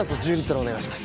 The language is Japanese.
お願いします